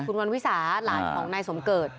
คุณวันวิสาหลานของนายสมเกิด